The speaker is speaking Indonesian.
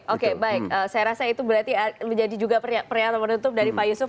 oke baik saya rasa itu berarti menjadi juga pernyataan penutup dari pak yusuf